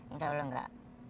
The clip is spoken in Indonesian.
insya allah enggak